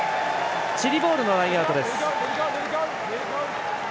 チリボールのラインアウトです。